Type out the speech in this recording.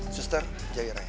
sister jaga raya